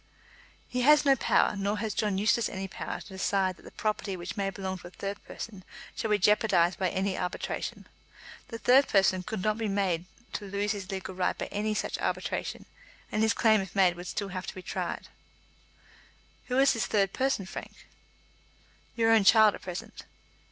"He has no power, nor has John Eustace any power, to decide that the property which may belong to a third person shall be jeopardised by any arbitration. The third person could not be made to lose his legal right by any such arbitration, and his claim, if made, would still have to be tried." "Who is the third person, Frank?" "Your own child at present."